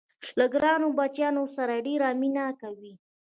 له ګرانو بچیانو سره ډېره مینه کوي.